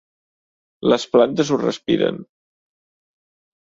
Les plantes ho respiren...